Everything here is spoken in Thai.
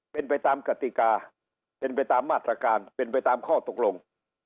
เป็นไปตามกติกาเป็นไปตามมาตรการเป็นไปตามข้อตกลง